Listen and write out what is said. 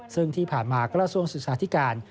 ซึ่งที่ผ่านมากระทรวงศึกษาธิการ